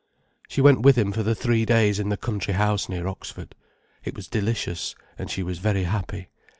She went with him for the three days in the country house near Oxford. It was delicious, and she was very happy.